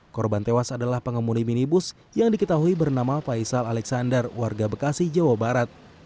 korban tewas adalah pengemudi minibus yang diketahui bernama faisal alexander warga bekasi jawa barat